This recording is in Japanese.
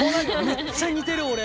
めっちゃ似てる俺。